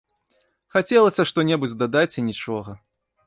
Хацелася што-небудзь дадаць і нічога.